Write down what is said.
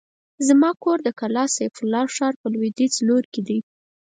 زما کور د کلا سيف الله ښار په لوېديځ لور کې دی.